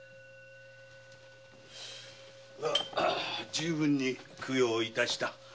充分に供養致した。